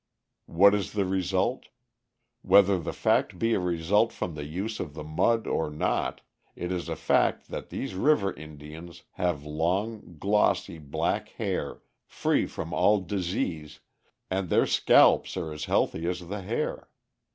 What is the result? Whether the fact be a result from the use of the mud or not, it is a fact that these river Indians have long, glossy black hair free from all disease, and their scalps are as healthy as the hair.